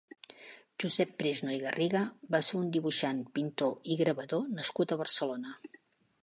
Josep Presno i Garriga va ser un dibuixant pintor i gravador nascut a Barcelona.